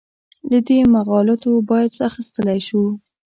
له دې مغالطو باید اخیستلی شو.